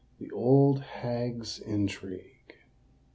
THE OLD HAG'S INTRIGUE.